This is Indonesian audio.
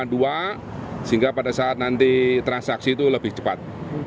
sehingga pada saat nanti transaksi itu lebih cepat